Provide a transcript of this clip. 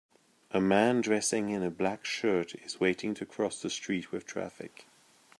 A man dressing in a black shirt is waiting to cross the street with traffic.